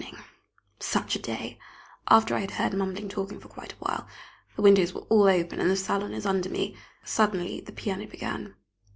Evening. Such a day! After I had heard mumbling talking for quite a while the windows were all open, and the salon is under me suddenly the piano began.